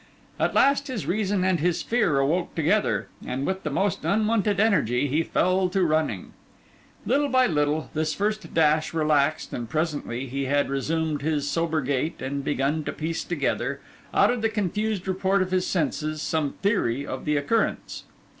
At last his reason and his fear awoke together, and with the most unwonted energy he fell to running. Little by little this first dash relaxed, and presently he had resumed his sober gait and begun to piece together, out of the confused report of his senses, some theory of the occurrence.